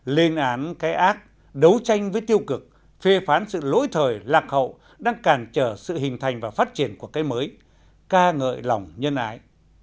lên án cái ác đấu tranh với tiêu cực phê phán sự lỗi thời lạc hậu đang cản trở sự hình thành và phát triển của cái mới ca ngợi lòng nhân ái